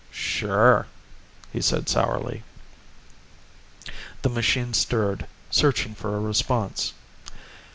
"Sure," he said sourly. The machine stirred, searching for a response.